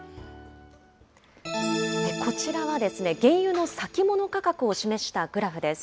こちらは、原油の先物価格を示したグラフです。